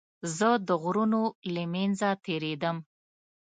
زه د غرونو له منځه تېرېدم.